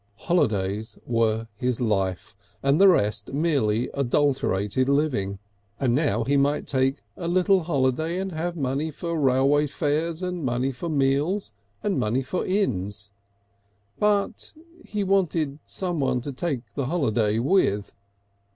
Holidays were his life, and the rest merely adulterated living. And now he might take a little holiday and have money for railway fares and money for meals and money for inns. But he wanted someone to take the holiday with.